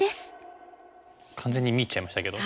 完全に見入っちゃいましたけど。